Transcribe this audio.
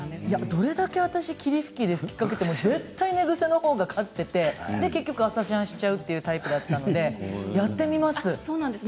どれだけ私霧吹きで吹きかけても寝ぐせのほうが勝っていて朝シャンしちゃうタイプだったのでやってみます。